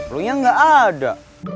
lo nya gak ada